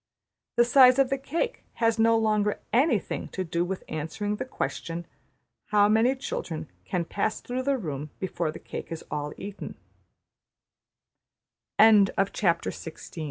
The size of the cake has no longer anything to do with answering the question: ``How many children can pass through the room before the cake is all e